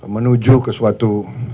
menuju ke suatu